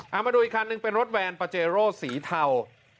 เอามาดูอีกคันหนึ่งเป็นรถแวนปาเจโร่สีเทา